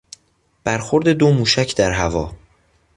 برخورد دو موشک در هوا